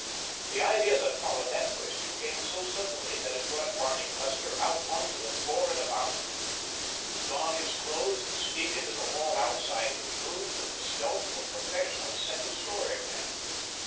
The idea that followed that question came so suddenly that it brought Barney Custer out onto the floor in a bound, to don his clothes and sneak into the hall outside his room with the stealth of a professional second story man.